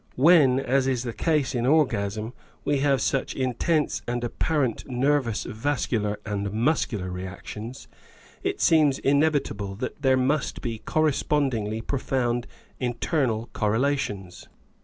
When, as is the case in orgasm, we have siich intense and apparent Sleep 63 nervous, vascular and muscular reactions, it seems inevitable that there must be correspondingly pro found internal correlations.